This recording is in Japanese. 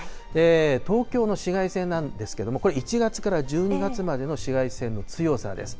東京の紫外線なんですけれども、これ、１月から１２月までの紫外線の強さです。